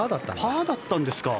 パーだったんですか。